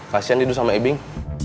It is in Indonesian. kasian tidur sama ebing